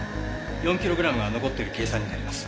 ４キログラムが残っている計算になります。